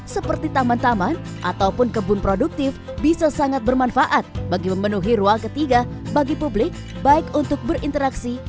seperti taman taman ataupun kebun produktif bisa sangat bermanfaat bagi memenuhi ruang ketiga bagi publik baik untuk berinteraksi